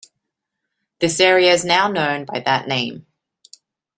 This area is now known by that name.